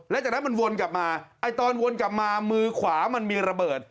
และจากนั้นมันวนกลับมาตอนวนกลับมามือขวามันมีระเบิด